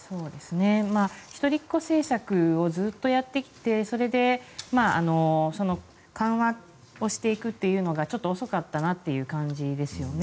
一人っ子政策をずっとやってきてそれで緩和をしていくというのがちょっと遅かったなという感じですよね。